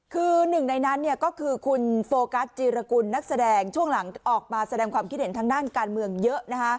คือหนึ่งในนั้นก็คือคุณโฟกัสจีรกุลนักแสดงช่วงหลังออกมาแสดงความคิดเห็นทางด้านการเมืองเยอะ